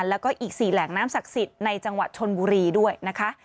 แล้วก็อีก๔แหล่งน้ำศักดิ์สิทธิ์ในจังหวัดชนบุรีด้วยนะคะ